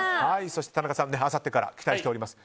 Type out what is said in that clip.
そして、田中さんあさってから期待しております。